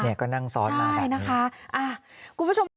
นี่ก็นั่งซอสมาแบบนี้อาคุณผู้ชม